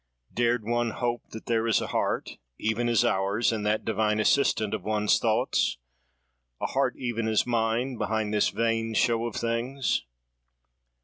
Dared one hope that there is a heart, even as ours, in that divine 'Assistant' of one's thoughts—a heart even as mine, behind this vain show of things!"